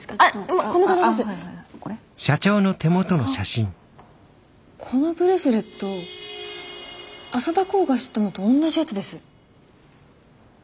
あっこのブレスレット浅田航がしてたのと同じやつです。